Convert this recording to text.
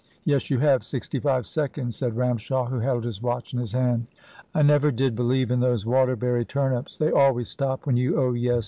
"Yes, you have sixty five seconds," said Ramshaw, who held his watch in his hand. "I never did believe in those Waterbury turnips, they always stop when you oh yes!